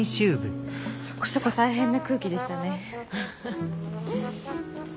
そこそこ大変な空気でしたね。